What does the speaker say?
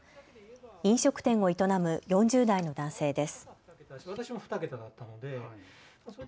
飲食店を営む４０代の男性です。